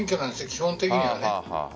基本的には。